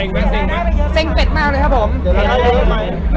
เสียรายได้ไปเยอะครับเสร็งเป็ดมากเลยครับผม